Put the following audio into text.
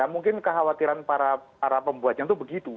mungkin kekhawatiran para pembuatnya itu begitu